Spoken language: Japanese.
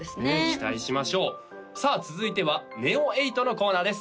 期待しましょうさあ続いてはＮＥＯ８のコーナーです